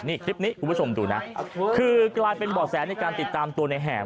นี่คลิปนี้คุณผู้ชมดูนะคือกลายเป็นบ่อแสในการติดตามตัวในแหบ